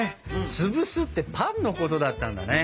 「つぶす」ってパンのことだったんだね。